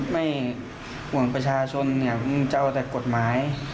ไม่ห่วงประชาชนมันเจ้าแต่กฎหมาย